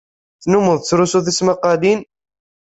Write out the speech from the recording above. Tennummed tettlusud tismaqqalin?